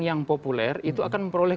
yang populer itu akan memperoleh